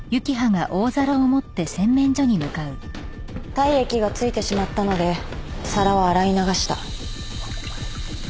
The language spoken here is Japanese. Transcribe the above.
体液が付いてしまったので皿を洗い流した。